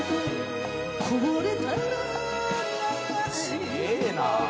「すげえな！」